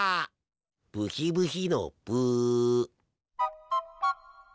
ブヒブヒのブ。